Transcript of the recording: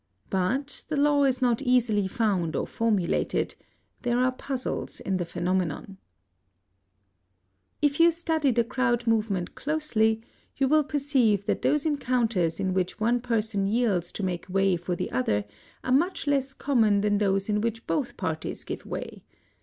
But the law is not easily found or formulated: there are puzzles in the phenomenon. If you study the crowd movement closely, you will perceive that those encounters in which one person yields to make way for the other are much less common than those in which both parties give way.